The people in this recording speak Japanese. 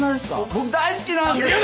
僕大好きなんですよ！